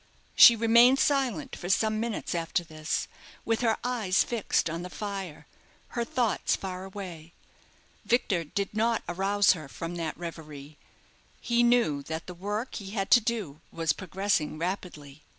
She remained silent for some minutes after this, with her eyes fixed on the fire, her thoughts far away. Victor did not arouse her from that reverie. He knew that the work he had to do was progressing rapidly.